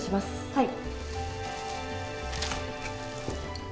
はい。